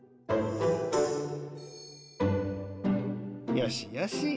よしよし。